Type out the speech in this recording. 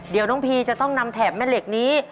เดี๋ยวน้องพีจะต้องนำแถบแม่เหล็กนี้